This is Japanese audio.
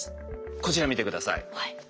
こちら見て下さい。